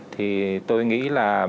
thì tôi nghĩ là